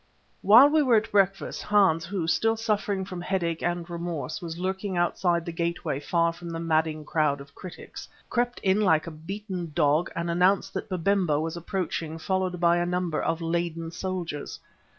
While we were at breakfast Hans who, still suffering from headache and remorse, was lurking outside the gateway far from the madding crowd of critics, crept in like a beaten dog and announced that Babemba was approaching followed by a number of laden soldiers.